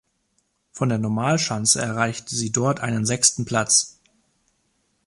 Von der Normalschanze erreichte sie dort einen sechsten Platz.